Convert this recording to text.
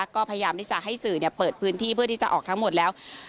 ก็พยายามที่จะให้สื่อเปิดพื้นที่เพื่อที่จะออกทั้งหมดแล้ว